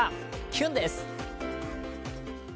キュンです！